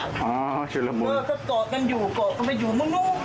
ก่อกันไปอยู่มุมนู้นก่อกันไปอยู่มุมนี้